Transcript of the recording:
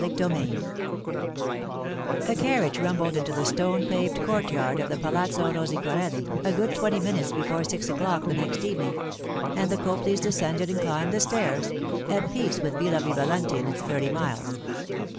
CHAPTER II A CARRIAGE rumbled into the stone paved courtyard of the Palazzo Rosicorelli a good twenty minutes before six o'clock the next evening, and the Copleys descended and climbed the stairs, at peace with Villa Vivalanti and its thirty miles.